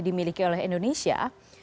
dimiliki oleh indonesia